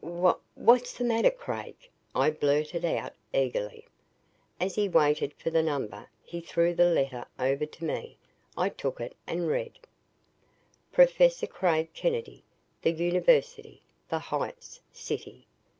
"Wh what's the matter, Craig?" I blurted out eagerly. As he waited for the number, he threw the letter over to me. I took it and read: "Professor Craig Kennedy, "The University, The Heights, City.